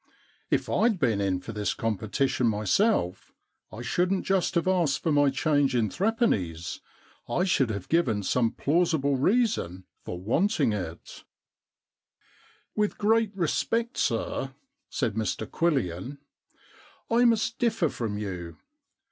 If I'd been in for this competition myself I shouldn't just have asked for my change in threepennies, I should have given some plausible reason for wanting it.' P.O. 189 N The Problem Club * With great respect, sir,' said Mr Quillian, * I must differ from you.